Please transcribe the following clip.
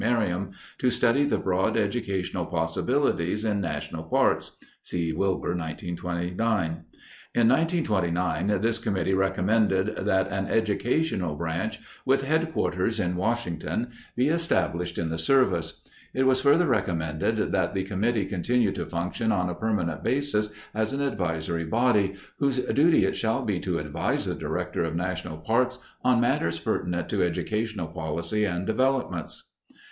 Merriam to study the broad educational possibilities in national parks (see Wilbur, 1929). In 1929, this committee recommended that an educational branch, with headquarters in Washington, be established in the Service. It was further recommended that the committee continue to function on a permanent basis as an advisory body, "whose duty it shall be to advise the Director of National Parks on matters pertinent to educational policy and developments."